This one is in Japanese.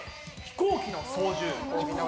飛行機の操縦。